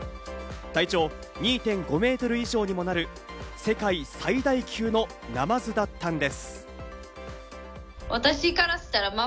体長２．５メートル以上にもなる世界最大級のナマズだったんです。